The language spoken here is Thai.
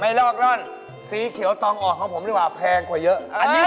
ลอกร่อนสีเขียวตองอ่อนของผมดีกว่าแพงกว่าเยอะ